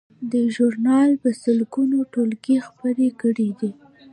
دې ژورنال په سلګونو ټولګې خپرې کړې دي.